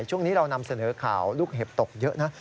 ช่วงนี้เรานำเสนอข่าวลูกเห็บตกเยอะนะ